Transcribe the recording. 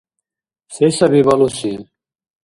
Се саби балуси?